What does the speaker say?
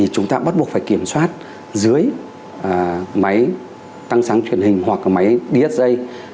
chúng ta bắt buộc phải kiểm soát dưới máy tăng sáng truyền hình hoặc là máy ds